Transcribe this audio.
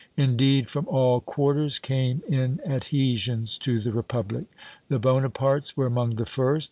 Indeed, from all quarters came in adhesions to the Republic. The Bonapartes were among the first.